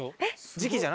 時季じゃない？